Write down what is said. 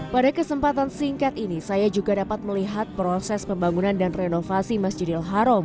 pada kesempatan singkat ini saya juga dapat melihat proses pembangunan dan renovasi masjidil haram